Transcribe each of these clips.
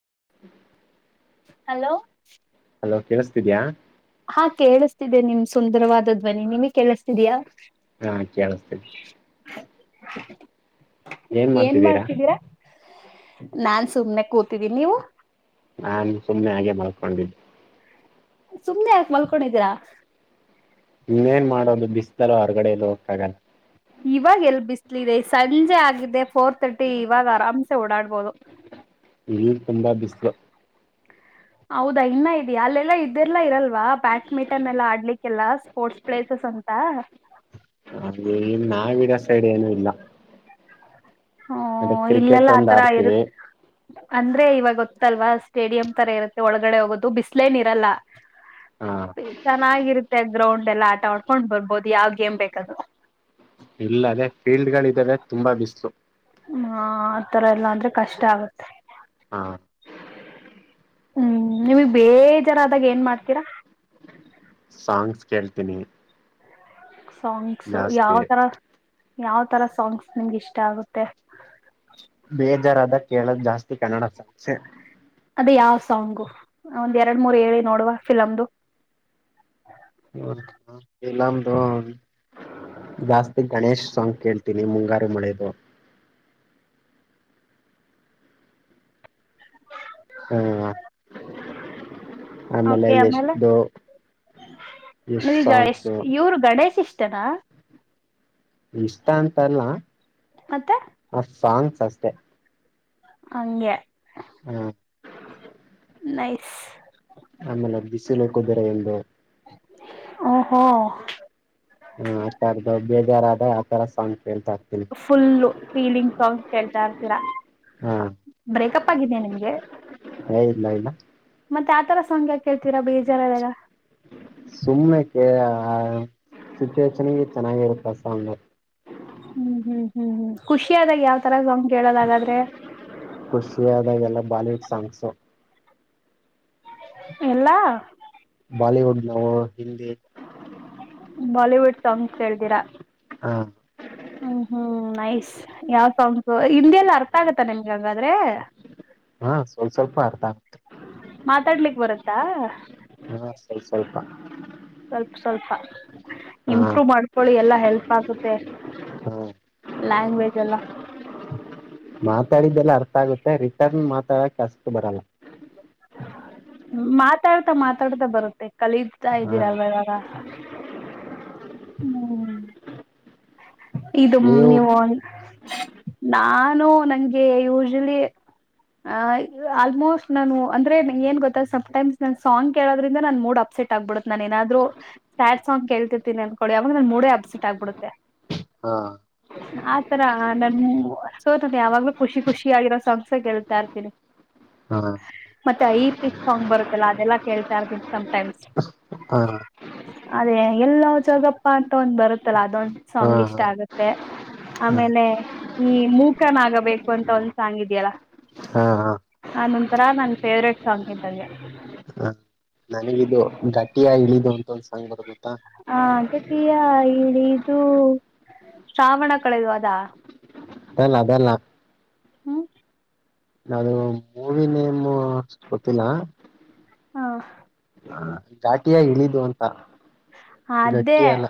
[unintelligible] Hello ಕೇಳಿಸ್ತಿದ್ಯಾಾ ಹಾ ಕೇಳಿಸ್ತಿದ್ದೆ ನಿಮ ಸುಂದರವಾದ ಧ್ವನಿ ನಿಮಗ್ ಕೇಳಿಸ್ತಿದಯಾ ಆ ಕಳಿಸಿದೆ ಏನ್ ಮಾಡ್ತಿದ್ದೀರಾ ನಾನ್ ಸುಮ್ನೆ ಕೂತಿದ್ದೀನಿ ನೀವು ನಾನ್ ಸುಮ್ಮನೆ ಹಾಗೆ ಮಾಡಕೊಂಡಿದ್ದಿ ಸುಮ್ನೆ ಯಾಕ ಮಲ್ಕೊಂಡಿದೀರಾ ಇನ್ನೇನ್ ಮಾಡೋದು ಬಿಸಲ್ಲ ಹೊರ್ಗಡೆ ಎಲ್ಲ ಹೋಗತಾಗಲ್ಲ ಇವಾಗ ಎಲ್ ಬಿಸ್ಲ ಇಿದೆ ಸಂಜೆ ಆಗಿದೆ ಫೋರ್ ತರ್ಟಿ ಇವಾಗ ಆರಾಮ್ಸೆ ಓಡಾಡ್ಬೋದು ಇಲ್ಲಿ ತುಂಬಾ ಬಿಸ್ಲು ಹೌದಾ ಇನ್ನ ಇದಿ ಅಲ್ಲೆಲ್ಲಾ ಇದ್ದೆರ್ಲ್ಲಾ ಇರಲ್ಲ ಲ್ವಾ ಬ್ಯಾಡ್ಮಿಂಟನ್ ಎಲ್ಲಾ ಆಡ್ಲಿಕ್ಕೆಲ್ಲ ಸ್ಪೋರ್ಟ್ಸ್ ಪ್ಲೇಸಸ್ ಅಂತ ಹಾಗೆ ನಾವಿಡ ಸೈಡ್ ಏನುೂ ಇಲ್ಲ ಹ ಅದೇ ಕ್ರಿಕೆಟ್ ಇಲ್ಲೆಲ್ಲ ಒಂದ್ ಆತರ ಆಡ್ತೀವಿ ಇರುತ್ತೆ ಅಂದ್ರೆ ಇವಾಗ ಗೊತ್ತಲ್ವಾ ಸ್ಟೇಡಿಯಂ್ ತರ ಇರುತ್ತೆ ಒಳಗಡೆ ಹೋಗೋದು ಬಿಸಲೇನ್ ಇರಲ್ಲ ಹ ಚೆನ್ನಾಗಿರುತ್ತೆ ಗ್ರೌಂಡ್ ಎಲ್ಲಾ ಆಟ ಆಡ್ಕೊಂಡ್ ಬರ್ಬೋದು ಯಾವ್ ಗೇಮ್ ಬೇಕಾದ್ರು ಇಲ್ಲ ಅದೇ ಫೀಲ್ಡ್ ಗಳಿದಾವೆ ತುಂಬಾ ಬಿಸ್ು ಹ್ಮ ಆತರ ಎಲ್ಲಾ ಅಂದ್ರೆ ಕಷ್ಟ ಆಗತ್ೆ ಹಾ ಹ್ಮ್ ನೀವಗ್ ಬೇಜಾರ ಆದಾಗ ಏನ್ ಮಾಡ್ತೀರಾ ಇನ್ನ ಸಾಂಗ್ಸು ಯಾವತರ ಯಾವ್ ತರ ಸಾಂಗ್ಸ್ ನಿಮ್ಗೆ ಇಷ್ಟ ಆಗುತ್ತೆ ಬೇಜಾರಾದಾಗ ಕೇಳ ಜಾಸ್ತಿ ಕನ್ನಡ ಸಾಸೆ ಅದೇ ಯಾವ್ ಸಾಂಗು ಒಂದ್ ಎರಡ್ ಮೂರ್ ಹೇಳಿ ನೋಡುವ ಫಿಲಮ್ದ ಇಲಾಮಧನ್ ಜಾಸ್ತಿ ಗಣೇಶ್ ಸಾಂಗ್ ಕೇಳ್ತೀನಿ ಮುಂಗಾರು ಮಳೆದು ಹಾ ಕೆ ಆಮೇಲೆ ಎಷ್ಟು ಈಗ ಎಷ್ಟ ಸಾಂಗ್ಸ್ ಇವರು ಗಣೇಶ್ ಇಷ್ಟ ಇತನಾ ಇಷ್ಟ ಅಂತಲ್ಲ ಮತ್ತೆ ಆ ಸಾಂಗ್ಸ್ ಅಷ್ಟತೆ ಹಂಗೆ ಹ್ಮ ನಸ್ ಆಮೇಲೆ ಬಿಸಿಲ ಕದರ ಒಂದು ಹೋ ಹ ಆತ್ದ ಬೇಜಾರದ ಆತರ ಸಾ ಫುಲ್ಲು ಫೀಲಿಂಗ್ ಸಾಂಗ್ಸ್ ಕೇಳ್ತಾ ಇರ್ತೀರಾ ಹಾ ಬ್ರೇಕಪ್ ಆಗಿದೆಿ ನಿಮ್ಗೆ ಹ ಇಲ್ಲ ಇಲ್ಲ ಮತ್ತೆ ಆ ತರ ಸಂಖ್ಯಾ ಸುನೆಕ್ಕೆ ಸಿಚುವೇಷನ್ಗೆ ಚೆನ್ನಾಗಿರುತ್ತಾ ಸಾಮರ್ ಹ್ಮ್ ಹ್ಮ್ ಹ್ಮ್ ಹ್ಮ್ ಖುಷಿ ಆದಾಗ ಯಾವ್ ತರ್ ಕೇಳೋದ ಹಾಗಾದ್ರೆ ಖುಷಿಯಾಗ ಎಲ್ಲ ಬಾಲಿವುಡ್ ಸಾಂಗ್ಸು ಎಲ್ಲಾ ಬಾಲಿವುಡ್ ನಾವು ಹಿಂದಿ ಬಾಲಿವುಡ್ ಸಾಂಗ್ಸ್ ಕೇಳ್ದಿರಾ ಹಾ ಹ್ಮ್ ಹ್ಮ್ ನೈಸ್ ಯಾವ್ ಸಾಂಗ್ಸು ಹಿಂದಿ ಎಲ್ಲ ಅರ್ಥ ಆಗತ್ತ ನಿಮ್ಗ ಹಂಗಾದ್ರೆ ಹಾ ಸ್ವಲ್ಪ ಸ್ವಲ್ಪ ಅರ್ಥ ಆಗುತ್ತೆ ಮಾತಾಡ್ಲಿಕ್ ಬರುತ್ತಾ ಹಾ ಸ್ವಲ್ಪ ಸ್ವಲ್ಪ ಸ್ವಲ್ಪ ಸ್ವಲ್ಪ ಹಾ ಇಂಪ್ರೂವ್ ಮಾಡ್ಕೊಳ್ಳಿ ಎಲ್ಲ ಹೆಲ್ಪ್ ಆಗುತ್ತೆ ಹಾ ಲ್ಯಾಂಗ್ವೇಜ್ ಎಲ್ಲ ಮಾತಾಡಿದ್ದೆಲ್ಲ ಅರ್ಥ ಆಗುತ್ತೆ ರಿಟರ್ನ್ ಮಾತಾಡಕ ಅಷ್ಟು ಬರಲ್ಲ [inaudible] ಮಾತಾಡ್ತಾ ಮಾತಾಡ್ತಾ ಬರುತ್ತೆ ಕಲೀತಾ ಹಾ ಇದ್ದೀರಲ್ವಾಗ ಹ್ಮ ಇದು ನೀವು ನಾನು ನಂಗೆ ಯೂಶಲಿ ಆ ಆಲ್ಮೋಸ್ಟ್ ನಾನು ಅಂದ್ರೆ ಏನ್ ಗೊತ್ತ ಸಮ್್ಟೈಮ್ಸ್ ನನ್ ಸಾಂಗ್ ಕೇಳೋದ್ರಿಂದ ನನ್ ಮೂಡ್ ಅಪ್ಸೆಟ್ ಆಗ್ಬಿಡುತ್ತ ನನ್ ಏನಾದ್ರು ಸ್ಯಾಡ್ ಸಾಂಗ್ ಕೇಳ್ತಿರ್ತೀಿ ಅನ್ಕಡಿ ಅವಾಗ ನನ್ ಮೂಡ ಅಸಟ್ಗ್ಬಿಡುತ್ತೆ ಹಾ ಆತರ ನನ್ ಸೋ ನನ್ ಯಾವಾಗ್ಲೂ ಖುಷಿ ಖುಷಿ ಆಗಿರೋ ಸಾಂಗ್ ನಾ ಕೇಳ್ತಾ ಇರ್ತೀನಿ ಹ ಮತ್ತೆ ಐ ಪಿಚ್ ಸಾಂಗ್ ಬರುತ್ತಲ್ಲ ಅದೆಲ್ಲಾ ಕೇಳ್ತಾ ಇರ್ತೀನಿ ಸಮಟೈಮ್ಸ್ ಹಾ ಅದೇ ಎಲ್ಲೋ ಜಾಗಪ್ಪ ಅಂತ ಒಂದ್ ಬರುತ್ತಲ್ಲ ಅದೊಂದ್ ಹಾ ಸಾಂಗ್ ಇಷ್ಟ ಹಾ ಆಗುತ್ತೆ ಹಾ ಆಮೇಲೆ ಈ ಮೂಕನಾಗಬೇಕು ಅಂತ ಒಂದ್ ಸಾಂಗ್ ಇದ್ಯಲ್ಲ ಹಾ ಹಾ ಅ [unintelligible] ನೊಂಂತರ ನನ್ ಫೇವ್ರೇಟ್ ಸಾಂಗ್ ಇದ್ದಂಗೆ ನನಗಿದದು ಗಟ್ಟಿಯ ಇಳಿದು ಅಂತ [inaudible] ಹ ಗಟಿಯ ಇಳಿದು ಶ್ರಾವಣ ಕಳೆದು ಅದಾ ಅದಲ್ಲ ಅದಲ್ಲ ಹ್ಮ ಹ [unintelligible] ಗೊತ್ತಿಲ್ಲ ಹಾ ಘಾಟಿಯ ಇಳಿದು ಅಂತ ಅದೇ ಗಟ್ಟಿ ಅಲ್ಲ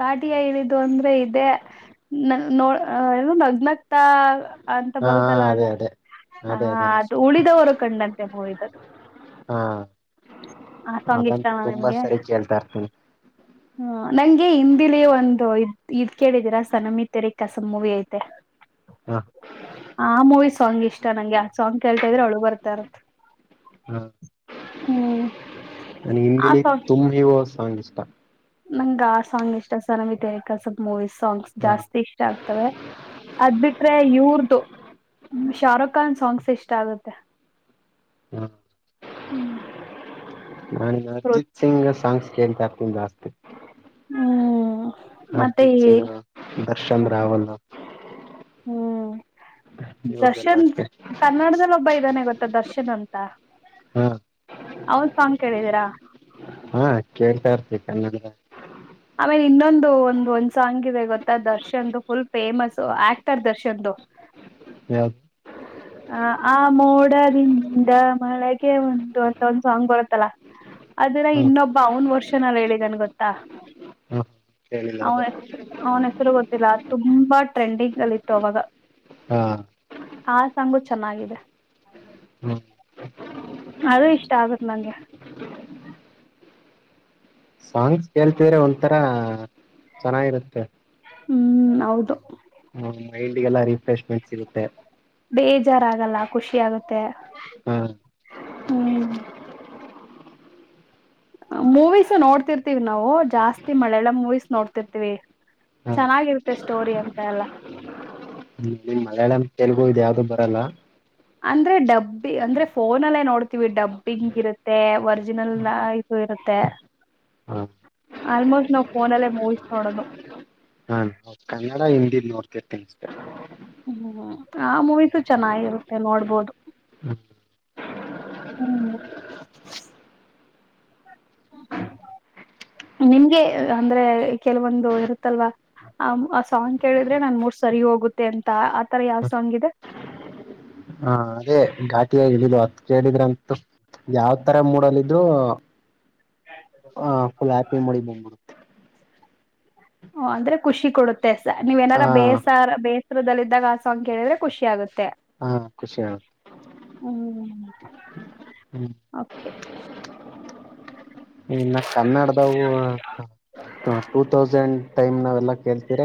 ಗಾಟಿಯಾ ಇಳಿದು ಅಂದ್ರೆ ಇದೆ [unintelligible] ನೋ ಏ ನಗ್ನಗ್ತಾ ಅಂತ ಹಾ ಬರುದಲ್ಲ ಅದ ಅದೇ ಅದೇ ಅದೇ ಹ ಅದೇ ಅದು ಉಳಿದವರು ಕಂಡಂತೆ ಮೂವಿ ದು ಅದು ಹಾ ಅದಂತೂ ಇಷ್ಟನಾ ತುಂಬಾ ನಿಮ್ಗೆ ಸರಿ ಕೇಳ್ತಾ ಇರ್ತನಿ ಹ ನಂಗೆ ಹಿಂದಿಲೀ ಒಂದು ಇದ್ ಕೇಳಿದೀರಾ ಸನಮಿ ತೆರಿ ಕಸ ಮೂವಿ ಐತೆ [inaudible] ಆ ಮೂವಿ ಸಾಂಗ್ ಇಷ್ಟ ನಂಗೆ ಆ ಸಾಂಗ್ ಕೇಳ್ತಾ ಇದ್ರೆ ಅಳು ಬರ್ತ ಇರುತೆ ಹ್ಮ ನಂಗೆ ಹಿಂದಿಲಿ ತುಮ್ಯೋ ಈಷ್ಟ ನಂಗ್ ಆ ಸಾಂಗ್ ಇಷ್ಟ ಸ [unintelligible] ನಮಕ ಸ್ವಲ್ ಮೂವೀ ಸಾಂಗ್ಸ್ ಹ ಜಾಸ್ತಿ ಇಷ್ಟ ಆಗ್ತವೆ ಅದ್ ಬಿಟ್ರೆ ಇವರದ್ದು ಶಾರುಖ್ ಖಾನ್ ಸಾಂಗ್ಸ್ ಇಷ್ಟ ಆಗುತ್ತೆ ಹ ಹ್ಮ್ ನಾನಿನ್ ಅರ್ಜಿತ್ ಸಿಂಗ್ ಸಾಂಗ್ಸ್ ಕೇಳ್ತಾ ಇರ್ತೀನಿ ಜಾಸ್ತಿ ಹ್ಮ ಅರ್ಜಿತ್ ಸಿಂಗ್ ದರ್ಶನ್ ರಾವಲ್ ಹ್ಮ್ ಇವ್ರ್ದೆಲ್ಲ ದರ್ಶನ್ ಕನ್ನಡದದಲ್ಲಿ ಒಬ್ಬ ಇದಾನೆ ಗೊತ್ತ ದರ್ಶನ್ ಅಂತ ಹಾ ಹೌದ [unintelligible] ಸಾಂಗ್ ಕೇಳಿದೀರಾ ಹಾ ಕೇಳ್ತಾ ಇರ್ತಿ ಕನ್ನಡ [inaudible] ಆಮೇಲೆ ಇನ್ನೊಂದು ಒಂದು ಒಂದ್ ಸಾಂಗ್ ಇದೆ ಗೊತ್ತಾ ದರ್ಶನ್ ಫುಲ್ ಫೇಮಸು ಆಕ್ಟರ್ ದರ್ಶನ್ದು [unintelligible] ಯ ಆ ಆ ಮೋಡದಿಂದ ಮಳೆಗೆ ಒಂದು ಅಂತ ಒಂದ್ ಸಾಂಗ್ ಬರುತ್ತಲ್ಲ ಅದನ್ನ ಹ ಇನ್ನೊಬ್ಬ ಅವನ್ ವರ್ಷನಲ್ ಹೇಳಿದನೆ ಗೊತ್ತಾ ಹಾ [unintelligible] ಹೆ ಅವನ ಹೆಸರು ಗೊತ್ತಿಲ್ಲ ತುಂಬಾ ಟ್ರೆಂಡಿಂಗ್ ಅಲ್ಲಿತ್ತು ಅವಾಗ ಹಾ ಆ ಸಾಂಗು ಚೆನ್ನಾಗಿದೆ ಹ್ಮ ಅದು ಇಷ್ಟ ಆಗುತೆ ನಂಗೆ [unintelligible] ಕೇಳ್ತಿದ್ರೆ ಒಂಥರಾ ಚೆನ್ನಾಗಿರುತ್ತೆ ಹ್ಮ್ ಹೌದು ಮೈಂಡ್ಗೆಲ್ಲಾ ರಿಫ್ರೆಶ್ಮೆಂಟ್ ಸಿಗುತ್ತೆ ಬೇಜಾರಾಗಲ್ಲ ಖುಷಿ ಆಗತ್ತೆ ಹ ಹ್ಮ್ ಮೂವೀಸೂ ನೋಡ್ತಿರ್ತಿವಿ ನಾವು ಜಾಸ್ತಿ ಮಳಿಯಾಳಂ ಮೂವೀಸ್ ನೋಡ್ತಿರ್ತಿವಿ ಹ ಚೆನ್ನಾಗಿರುತ್ತೆ ಸ್ಟೋರಿ ಅಂತ ಎಲ್ಲ ಹ್ಮ ನಿಮ್ ಮಲಯಾಳಂ ತೆಲುಗು ಇದ ಯಾವ್ದು ಬರಲ್ಲ ಅಂದ್ರೆ ಡಬ್ಬಿ ಅಂದ್ರೆ ಫೋನ ಅಲ್ಲೇ ನೋಡ್ತೀವಿ ಡಬ್ಬಿಂಗ್ ಇರುತ್ತೆ ಒರ್ಜಿನಲ್ ಇರುತ್ತೆ ಹ ಆಲ್ಮೋಸ್ಟ್ ನಾವು ಫೋನಲ್ಲೇ ಮೂವೀಸ್ ನೋಡೋದು ಹ ಕನ್ನಡ ಹಿಂದಿ ನೋಡ್ತಿರ್ತನ್ ಹ್ಮ್ ಆ ಮೂವಸು ಚೆನ್ನಾಗಿರುತ್ತೆ ನೋಡ್ಬೋದು ಹ ಹ್ಮ್ [inaudible] ನಿಮ್ಗೆ ಅಂದ್ರೆ ಕೆಲವೊಂದು ಇರುತ್ತಲ್ವಾ ಆ ಆ ಸಾಂಗ್ ಕೇಳಿದ್ರೆ ನನ್ ಮೂರ್ ಸರಿ ಹೋಗುತ್ತೆ ಅಂತ ಆತರ ಯಾವ್ ಸಾಂಗ್ ಇದೆ ಹ ಹ ಅದೇ ಘಾಟಿಯ ಇಳಿದು ಅತ್ ಕೇಳಿದ್ರಂತೂ ಯಾವ ತರ ಮೂಡಲ್ಿದ್ರು ಹ ಹಾ ಫುಲ್ ಹ್ಯಾಪಿ ಮಾಡಿ ಬ್ಬಡು ಓ ಅಂದ್ರೆ ಖುಷಿ ಕೊಡುತ್ತೆ ಸ ನೀವ್ ಹ ಏನಾರ ಬೇಸಾರ ಬೇ ಚಿತ್ರದಲ್ಲಿದ್ದಾಗ ಆಸಂಗ್ ಕೇಳಿದ್ರೆ ಖುಷಿ ಆಗುತ್ತೆ ಹ ಖುಷಿಯ ಹ್ಮ್ ಕೆ ಇನ್ನ ಕನ್ನಡದವು ಟೂ ತೌಸಂಡ್ ಟೈಮ್ ನಾವೆಲ್ಲ ಕೇಳ್ತೀರ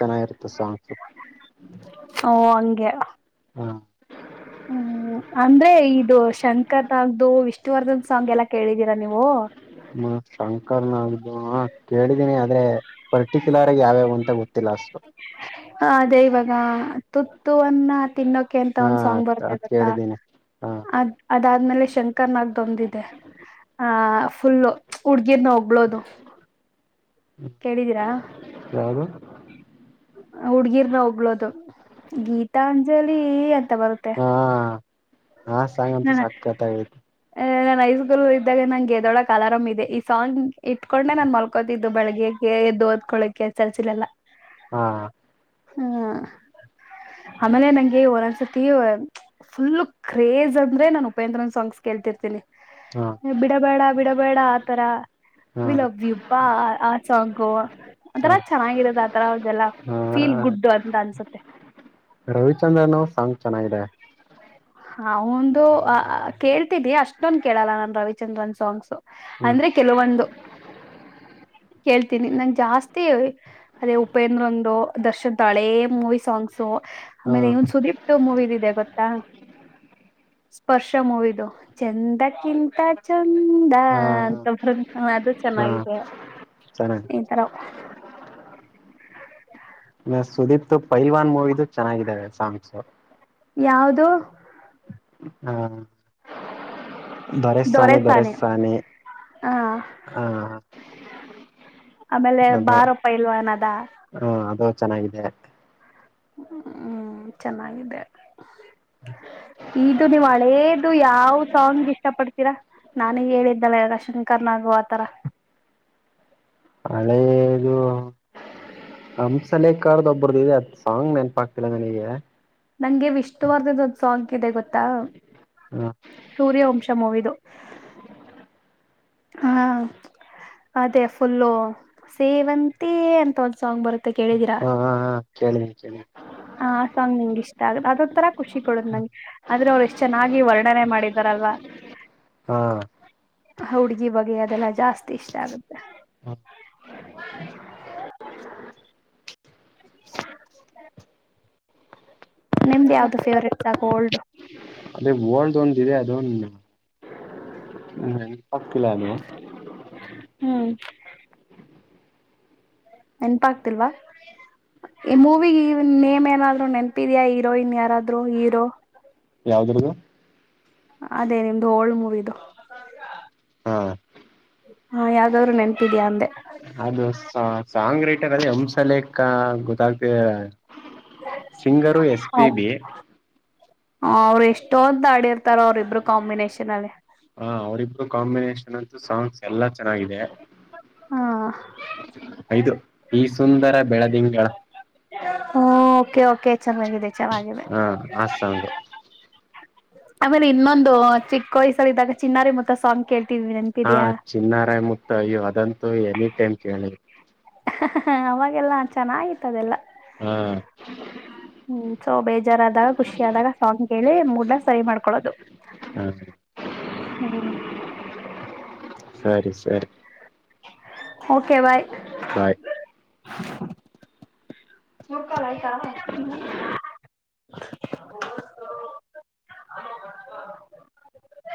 ಚೆನ್ನಾಗಿರುತ್ತೆ ಸಾಂಗ್ಸ್ ಓ ಹಂಗೆ ಹ ಹ್ಮ್ ಅಂದ್ರೆ ಇದು ಶಂಕರ್ಂಗ್ದು ವಿಷ್ಣುವರ್ಧನ್ ಸಾಂಗ್ ಎಲ್ಲ ಕೇಳಿದೀರಾ ನೀವು ಹ್ಮ ಶಂಕರ್ನು ಕೇಳಿದೀನಿ ಆದ್ರೆ ಪರ್ಟಿಕ್ಯುಲರ್ ಆಗಿ ಯಾವ್ಯಾವ ಅಂತ ಗೊತ್ತಿಲ್ಲ ಅಷ್ಟತೊ ಅದೆ ಇವಾಗ ತುತ್ತುವನ್ನ ತಿನ್ನೋಕೆಂತ ಹಾ ಒಂದ್ ಸಾಂಗ್ ಬರುತ್ತ ಅದ್ ಗತ್ತಾ ಕೇಳಿದ್ದೀನಿ ಹಾ ಅ್ ಅದಾದ್ಮೇಲೆ ಶಂಕರ್ ನಾಗ ತಂದಿದೆ ಆ ಫುಲ್ ಹುಡ್ಗಿನ ಹೋಗಳೋದು ಯಾರು ಹುಡ್ಗಿರ್ರ ಹಗ್ಳೋದು ಗೀತಾ ಅಂಜಲಿ ಎಂತ ಬರುತ್ತೆ ಹಾ ಸಂಗಂತು ಸಾಕ್ಕತ ಆಗ ನನ್ ಐಸ್ಗೂರು ಇದ್ದಾಗ ನಂಗೆದೊಳಗ್ ಅಲರಾಮ್ ಇದೆ ಈ ಸಾಂಗ್ ಇಟ್ಕೊಂಡೆ ನಾನನ್ ಮಲ್ಕೋತಿದ್ದು ಬೆಳಗ್ಗೆ ಎದ್ದ ಓದ್ಕೊಳ್ಳೋಕೆ ಚರ್ಚಿಲ್ಲಲ್ಲ ಹಾ ಹ್ಮ ಆಮೇಲೆ ನಂಗೆ ಒಂದೊಂದ್ಸತಿ ಫುಲ್ ಕ್ರೇಜ್ ಅಂದ್ರೆ ನಾನನ್ ಉಪೇಂದ್ರನ್ ಸಾಂಗ್ಸ್ ಕೇಳ್ತಿರ್ತೀನಿ ಹಾ ಬಿಡಬೇಡ ಬಿಡಬೇಡ ಆತರ ಹಾ ವಿಲವಬ್ಬಾ ಆ ಸಾಂಗು ಒಥರ ಹಾ ಚೆನ್ನಾಗಿರದ ಆತರ ಅದೆಲ್ಲ ಹಾ ಫೀಲ್ ಗುಡ್ ಅಂತ ಅನ್ಸುತ್ತೆ ರವಿಚಂದ್ರನ್ ಅವ ಸಾಂಗ್ ಚೆನ್ನಾಗಿದೆ ಹ ಒಂದು ಅ ಕೇಳ್ತಿದಿ ಅಷ್ಟೊಂದು ಕೇಳಲ್ಲ ನನ್ ರವಿಚಂದ್ರನ್ ಸಾಂಗ್ಸ್ ಹ್ಮ್ ಅಂದ್ರೆ ಕೆಲವೊಂದು ಕೇಳ್ತೀನಿ ನಂ ಜಾಸ್ತಿ ಅದೇ ಉಪೇಂದ್ರಂದರು ದರ್ಶನ್ ತಾಳೆ ಮೂವಿ ಸಾಂಗ್ಸ್ ಸೊ ಹಾ ಆಮೇಲೆ ಇನ್ ಸುದೀಪ್ ಮೂವ ಇದಿದೆ ಗೊತ್ತಾ ಹ್ಞ ಸ್ಪರ್ಶ ಮೂವಿದು ಚಂದಕ್ಕಿಂತ ಚಂದ ಹಾ ಅಂತ ಬರುಂತ ಅದು ಹಾ ಚೆನ್ನಾಗಿದೆ ಚೆನ್ನಾಗಿ ಈ ತರ ಸುದೀಪ್ತು ಪೈಲ್ವಾನ್ ಮೂವಿಿದು ಚೆನ್ನಾಗಿದ್ದಾವ ಸಾಂಗ್ಸ ಯಾವದು ಹಾ ದೊರೆಸಾನ್ನಿ ದೊರೆಸಾನೆ ದೊರೆಸಾನ್ನಿ ಹ ಹಾ ಆಮೇಲೆ ಬಾರೋ ಪೈಲ್ವಾನ್ ಅದ. ಹ ಅದು ಚೆನ್ನಾಗಿದೆ ಹ್ಮ್ ಚೆನ್ನಾಗಿದೆ ಇದು ನೀವು ಹಳೇ ಇದು ಯಾವ್ ಸಾಂಗ್ ಇಷ್ಟ ಪಡ್ತೀರಾ ನಾನೇ ಹೇಳಿದ್ದಳ ಶಂಕರ್ ನಾಗು ಆತರ. ಹಳೆದು ನಿಮ್ಸಲೆಕ ಅವ್ರ್ದ್ ಒಬ್ರುದ್ ಇದೆ ಅದ್ ಸಾಂಗ್ ನೆನ್ಪಾಗ್ ಆಗ್ತಿಲ್ಲ ನನಿಗೆ. ನಂಗೆ ವಿಷ್ಣುವರ್ಧದ ಸಾಂಗ್ ಇದೆ ಗೊತ್ತಾ ಹ ಸೂರ್ಯವಂಶ ಮೂವಿದು. [unintelligible] ಹಾ ಅದೇ ಫುಲ್ಲು ಸೇವಂತಿಯೇ ಅಂತ ಒಂದ್ ಸಾಂಗ್ ಬರುತ್ತೆ ಕೇಳಿದಿರಾ. ಹ ಕೇಳಿನಿ ಕೇಳಿನಿ ಹ ಅ ಸಾಂಗ್ ನಿಂಗ್ ಇಷ್ಟ ಅದ್ ಅದೊಂತರ ಖುಷಿ ಕೊಡುದ್ ನಂಗೆ ಆದ್ರೆ ಅವ್ರು ಎಷ್ಟ್ ಚೆನ್ನಾಗಿ ವರ್ಣ್ ತನೆ ಮಾಡಿದಾರಲ್ವಾ. ಹಾ ಅ ಹುಡ್ಗಿ ಬಗ್ಗೆ ಅದೆಲ್ಲಾ ಜಾಸ್ತಿ ಇಷ್ಟ ಆಗುತ್ತೆ. [unintelligible] ನಿಮ್ದ ಯಾವ್ದು ಫೇವ್ರೇಟ್ಸ್ಕು ಓಲ್ಡು. ಅದೆ ಓಲ್ಡ್ ದೊಂದ್ ಇದೆ ಅದೊಂದ್. [unintelligible] ಹ್ಮ ನೆನಪಾಗ್ತಿಲ್ಲ ಅದು. ಹ್ಮ್ ನೆನ್ಪಾಗ್ತಿಲ್ವಾ ಈ ಮೂವಿಗ್ ನೇಮ್ ಏನಾದ್ರು ನೆನ್ಪಿದಿಯಾ ಹೀರೋಯಿನ್ ಯಾರಾದ್ರೂ ಹೀರೋ. ಯಾವ್ದ್ರುದು ಅದೇ ನಿಮ್ದು ಓಲ್ಡ್ ಮೂವಿದು. ಹಾ ಹಾ ಯಾವ್ದಾದ್ರು ನೆನ್ಪಿದ್ಯಾ ಅಂದೆ. ಅದು ಸಾಂಗ್ ಸಾಂಗ್ ರೈಟರ್ ಅಲ್ಲಿ ಹಂಸ ಹಂಸಲೇಖ ಗೊತ್ತಾಗ್ದೆ ಸಿಂಗರು ಎಸ್ಪಿಬಿ. ಹ ಅವ್ರು ಎಷ್ಟೊಂದ್ ಆಡಿರ್ತಾರೆ ಅವ್ರ್ ಇಬ್ರು ಕಾಂಬಿನೇಷನ್ ಅಲ್ಲಿ. ಹಾ ಅವ್ರಿಬ್ರು ಕಾಂಬಿನೇಷನ್ ಅಂತೂ ಸಾಂಗ್ಸ್ ಎಲ್ಲಾ ಚೆನ್ನಾಗಿದೆ. ಹಾ ಐದು ಈ ಸುಂದರ ಬೆಳದಿಂಗಳ. ಹೊ ಓಕೆ ಓಕೆ ಚೆನ್ನಾಗಿದೆ ಚೆನ್ನಾಗಿದೆ. ಹ ಆ ಸಾಂಗ್ ಆಮೇಲೆ ಇನ್ನೊಂದು ಚಿಕ್ ವಯ್ಸಲ್ ಇದಾಗ ಚಿನ್ನಾರಿ ಮುತ್ತ ಸಾಂಗ್ ಕೇಳ್ ಹಾ ಚಿನ್ನಾರಾಯ್ ಮುತ್ತ ಅಯ್ಯೋ ಅದಂತೂ ಎನಿ ಟೈಮ್ ಕೇಳಿ ಹಃ ಹಃ ಅವಾಗೆಲ್ಲಾ ಚೆನ್ನಾಗಿತ್ ಅದೆಲ್ಲ. ಹಾ ಹ್ಮ ಸೊ ಬೇಜಾರಾದಾಗ ಖುಷಿಯ್ದಾಗ ಸಾಂಗ್ ಕೇಳಿ ಮೂಡ್ನ ಸರಿ ಮಾಡ್ಕೊಳ್ಳೋದು. ಹ ಹ್ಮ್ ಸರಿ ಸರಿ ಓಕೆ ಬಾಯ್. ಬಾಯ್ [inaudible] ಫೋನ್ ಕಾಲ್ ಆಯ್ತಾ. [unintelligible] [inaudible]